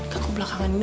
gak kok belakangan ini